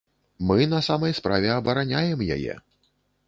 Мы на самай справе абараняем яе.